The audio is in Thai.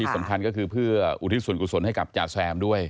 สำคัญก็คือเพื่ออุทิศส่วนกุศลให้กับจาแซมด้วย